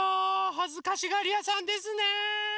はずかしがりやさんですね。